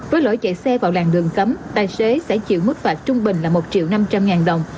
với lỗi chạy xe vào làng đường cấm tài xế sẽ chịu mức phạt trung bình là một triệu năm trăm linh ngàn đồng